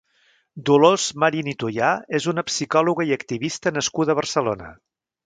Dolors Marin i Tuyà és una psicòloga i activista nascuda a Barcelona.